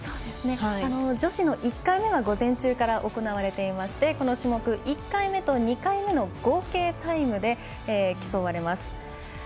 女子の１回目は午前中から行われていましてこの種目、１回目と２回目の合計タイムで競われます。